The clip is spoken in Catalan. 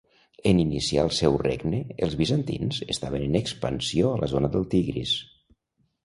En iniciar el seu regne els bizantins estaven en expansió a la zona del Tigris.